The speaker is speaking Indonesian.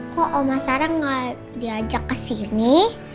kok oma sarah gak diajak kesini